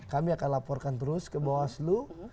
kami akan laporkan terus ke bawaslu